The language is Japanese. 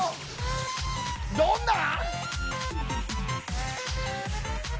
どんなん？